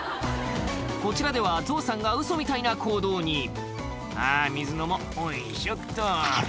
こちらではゾウさんがウソみたいな行動に「あぁ水飲もうよいしょっと」